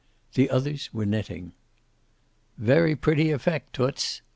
The others were knitting. "Very pretty effect, Toots!"